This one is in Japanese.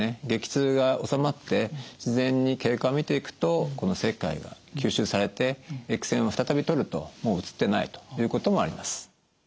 激痛が治まって自然に経過を見ていくとこの石灰が吸収されてＸ線を再び撮るともう写ってないということもあります。